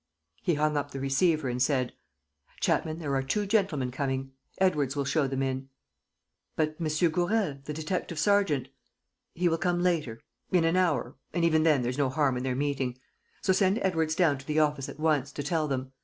He hung up the receiver and said: "Chapman, there are two gentlemen coming. Edwards will show them in. ..." "But M. Gourel ... the detective sergeant. ...?" "He will come later ... in an hour. ... And, even then, there's no harm in their meeting. So send Edwards down to the office at once, to tell them.